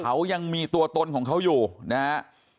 เขายังมีตัวตนของเขาอยู่นะฮะ